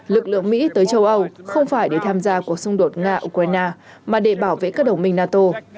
lực lượng mỹ tới châu âu không phải để tham gia cuộc xung đột nga ukraine mà để bảo vệ các đồng minh nato